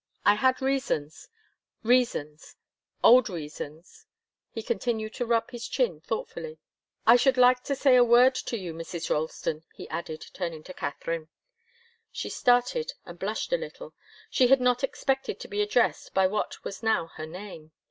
I had reasons reasons old reasons." He continued to rub his chin thoughtfully. "I should like to say a word to you, Mrs. Ralston," he added, turning to Katharine. She started and blushed a little. She had not expected to be addressed by what was now her name.